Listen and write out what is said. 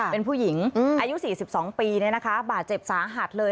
เป็นผู้หญิงอายุ๔๒ปีบาดเจ็บสาหัสเลย